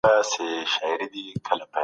دود ښه دی.